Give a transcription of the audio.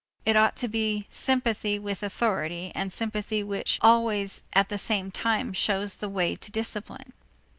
It ought to be sympathy with authority and sympathy which always at the same time shows the way to discipline.